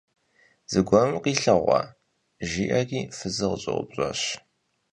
Зыгуэрым укъилъэгъуа? – жиӀэри фызыр къыщӀэупщӀащ.